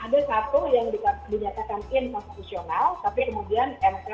ada satu yang dinyatakan infokosisional tapi kemudian itu sudah dikabulkan oleh mk